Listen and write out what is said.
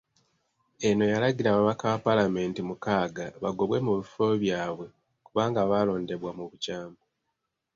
Eno yalagira ababaka ba palamenti mukaaga bagobwe mu bifo byabwe kubanga baalondebwa mu bukyamu.